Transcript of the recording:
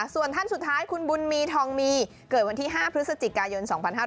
ส่วนท่านสุดท้ายคุณบุญมีทองมีเกิดวันที่๕พฤศจิกายน๒๕๕๙